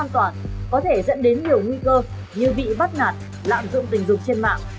có thể dẫn đến nhiều nguy cơ như bị bắt nạt lạm dụng tình dục trên mạng